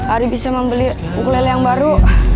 ari bisa membeli ukulele yang baru